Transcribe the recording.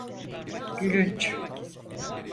Gülünç.